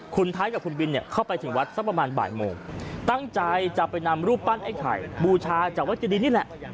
คุณไทยกับคุณบินเนี่ยเข้าไปถึงวัดสักประมาณบ่ายโมงตั้งใจจะไปนำรูปปั้นไอ้ไข่บูชาจากวัดเจดีนี่แหละ